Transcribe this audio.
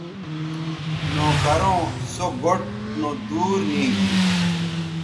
نوکروں سو گوٹھ نودور نیگی